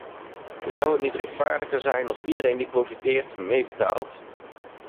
Zou het niet rechtvaardiger zijn als iedereen die profiteert meebetaalt?